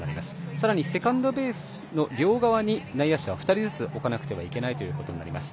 さらに、セカンドベースの両側に内野手は２人ずつ置かなければいけないということになります。